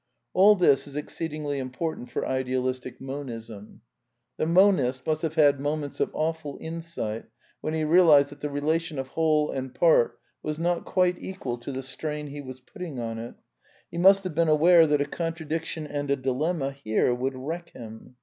All this is exceedingly important for Idealistic Mon ism. (/ The monist must have had moments of awful insight I [when he realized that the relation of whole and part was not quite equal to the strain he was putting on it. He must have been aware that a contradiction and a dilenmia here would wreck him.